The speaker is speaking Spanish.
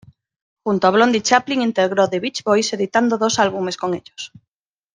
Junto a Blondie Chaplin integró The Beach Boys editando dos álbumes con ellos.